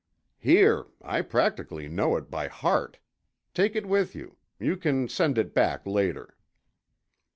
"Here—I practically know it by heart. Take it with you. You can send it back later."